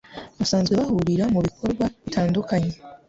basanzwe bahurira mu bikorwa bitandukanye.